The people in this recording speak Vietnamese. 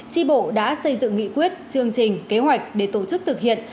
tri bộ đã xây dựng nghị quyết chương trình kế hoạch để tổ chức thực hiện